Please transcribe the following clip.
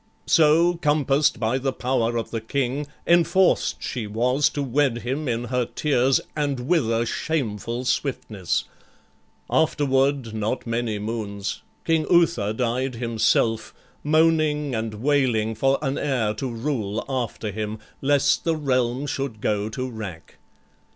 So, compass'd by the power of the King, Enforced she was to wed him in her tears, And with a shameful swiftness: afterward, Not many moons, King Uther died himself, Moaning and wailing for an heir to rule After him, lest the realm should go to wrack.